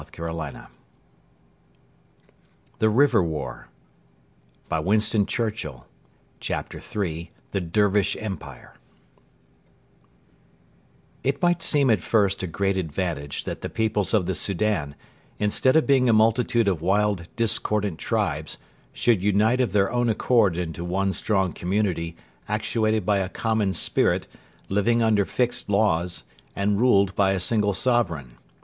The evacuation of the Soudan was thus completed. CHAPTER III: THE DERVISH EMPIRE It might seem at first a great advantage that the peoples of the Soudan, instead of being a multitude of wild, discordant tribes, should unite of their own accord into one strong community, actuated by a common spirit, living under fixed laws, and ruled by a single sovereign.